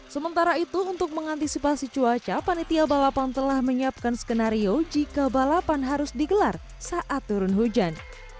sementara itu untuk mengantisipasi cuaca panitia balapan telah menyiapkan skenario jika balapan harus digelar saat turun hujan